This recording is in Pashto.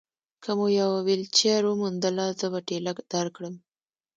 که مو یوه ویلچېر وموندله، زه به ټېله درکړم.